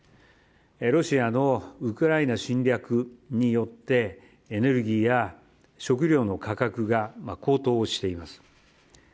ロシアのウクライナ侵略によってエネルギーや食料の価格が高騰しています。